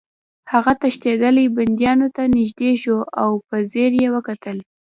هغه تښتېدلي بندیانو ته نږدې شو او په ځیر یې وکتل